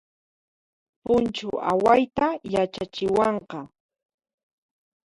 Punchu awayta yachachiwanqa